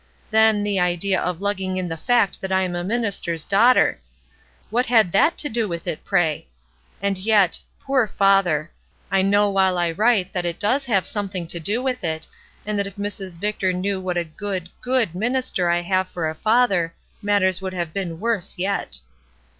Then, the idea of THE VICTORS 77 lugging in the fact that I am a minister's daughter ! What had that to do with it, pray? And yet — poor father ! I know while I write that it does have something to do with it, and if Mrs. Victor knew what a good, good minister I have for a father matters would have been worse yet.